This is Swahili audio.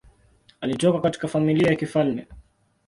Alitoka katika familia ya kifalme.